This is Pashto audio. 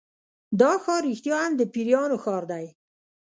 دا ښار رښتیا هم د پیریانو ښار دی.